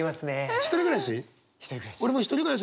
１人暮らしです。